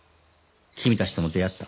君たちとも出会った。